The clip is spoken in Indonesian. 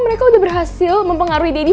mereka udah berhasil mempengaruhi dini